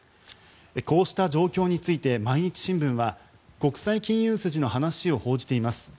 こうした状況について毎日新聞は国際金融筋の話を報じています。